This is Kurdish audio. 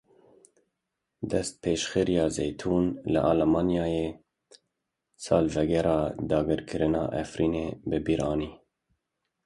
Destpêşxeriya Zeytûn li Almanyayê salvegera dagîrkirina Efrînê bi bîr anî.